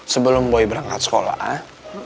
sebelum boy berangkat sekolah